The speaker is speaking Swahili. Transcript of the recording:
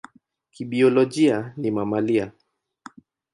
Kibiolojia ni mamalia.